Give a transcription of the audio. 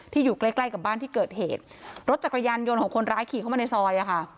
อยู่ใกล้ใกล้กับบ้านที่เกิดเหตุรถจักรยานยนต์ของคนร้ายขี่เข้ามาในซอยอ่ะค่ะ